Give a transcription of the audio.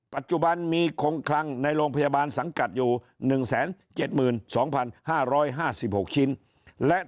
ปัจจุบันมีคงคลังในโรงพยาบาลสังกัดอยู่๑๗๒๕๕๖ชิ้นและ